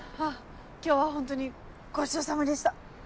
今日はホントにごちそうさまでした。